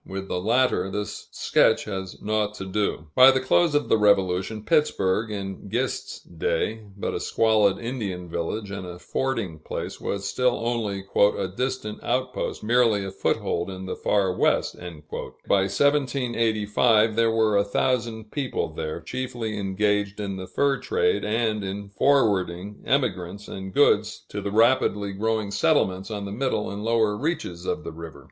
With the latter, this sketch has naught to do. By the close of the Revolution, Pittsburg in Gist's day, but a squalid Indian village, and a fording place was still only "a distant out post, merely a foothold in the Far West." By 1785, there were a thousand people there, chiefly engaged in the fur trade and in forwarding emigrants and goods to the rapidly growing settlements on the middle and lower reaches of the river.